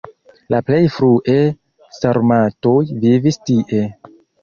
La plej frue sarmatoj vivis tie.